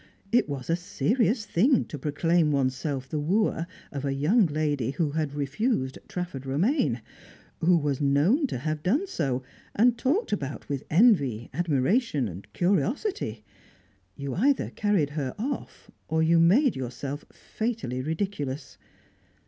It was a serious thing to proclaim oneself the wooer of a young lady who had refused Trafford Romaine; who was known to have done so, and talked about with envy, admiration, curiosity. You either carried her off, or you made yourself fatally ridiculous.